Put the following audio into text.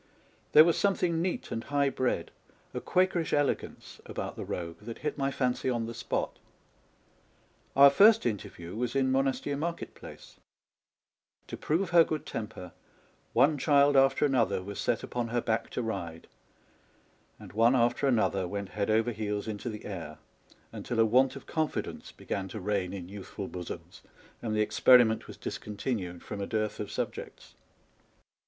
There was something neat and high bred, a quakerish elegance, about the rogue that hit my fancy on the spot. Our first in terview was in Monastier market place. 7 TRAVELS WITH A DONKEY To prove her good temper, one child after another was set upon her hack to ride, and one after another went head ov^er heels into tlie air ; until a want of confi dence began to reign in youthful bosoms, and the experiment was discontinued from a dearth of subjects.